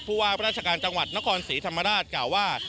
ว่าราชการจังหวัดนครศรีธรรมราชกล่าวว่า